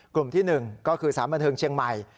กลุ่มที่๑ก็คือสารบันเทิงเชียงใหม่